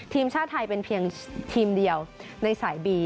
ทีมชาติไทยเป็นเพียงทีมเดียวในสายบี